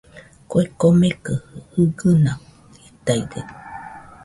Kue komekɨ jɨgɨna jitaide.